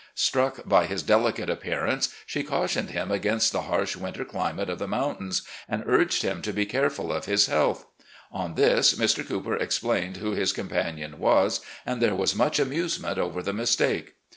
Struck by his delicate appearance, she cautioned him against the harsh winter climate of the motmtains, and tuged him to be careful of his health. On this, Mr. Cooper explained who his compainon was, and there was much amtisement over the mistake.